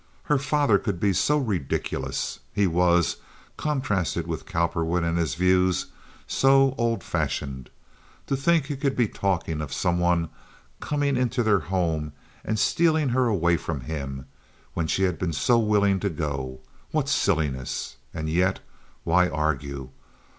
Her father could be so ridiculous. He was, contrasted with Cowperwood and his views, so old fashioned. To think he could be talking of some one coming into their home and stealing her away from him, when she had been so willing to go. What silliness! And yet, why argue?